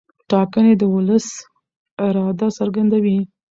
ټاکنې د ولس اراده څرګندوي